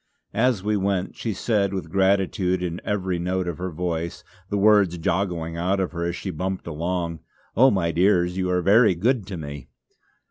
As we went she said with gratitude in every note of her voice, the words joggling out of her as she bumped along: "Oh, my dears, you are very good to me."